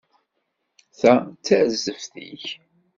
Ta d tarzeft-ik.